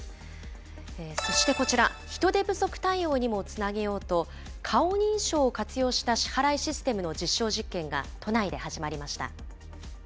そしてこちら、人手不足対応にもつなげようと、顔認証を活用した支払いシステムの実証実験が都内で始まりました。